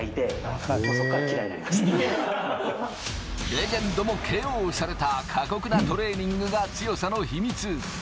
レジェンドもＫＯされた過酷なトレーニングが強さの秘密。